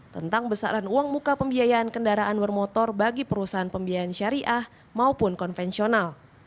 tentang besaran uang muka pembiayaan kendaraan bermotor bagi perusahaan pembiayaan syariah maupun konvensional